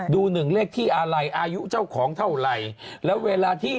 ดูหนึ่งเลขที่อะไรอายุเจ้าของเท่าไหร่แล้วเวลาที่